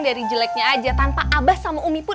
dari jeleknya aja tanpa abah sama umi pun